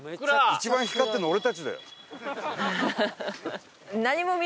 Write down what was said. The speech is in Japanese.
一番光ってるの俺たちだよ。